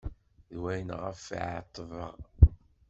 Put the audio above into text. D wayen ɣef̣ i ɛetbeɣ.